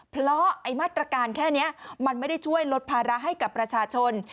เพราะไอ้มาตรการแค่นี้มันไม่ได้ช่วยลดภาระให้กับประชาชน